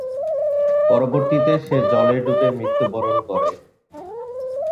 পরবর্তীতে সে জলে ডুবে মৃত্যুবরণ করে।